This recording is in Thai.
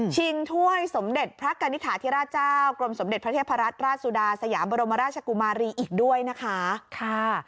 ถ้วยสมเด็จพระกณิฐาธิราชเจ้ากรมสมเด็จพระเทพรัตนราชสุดาสยามบรมราชกุมารีอีกด้วยนะคะค่ะ